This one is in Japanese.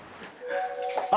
あ！